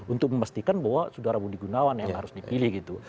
untuk memastikan bahwa sudara budi gunawan yang harus dipilih gitu